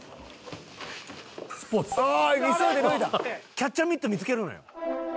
「キャッチャーミット見つけるのよ」